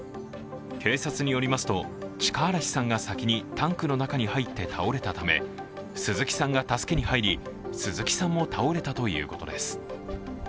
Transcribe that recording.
警察によりますと、近嵐さんが先に入って倒れたため鈴木さんが助けに入り鈴木さんも倒れたということです。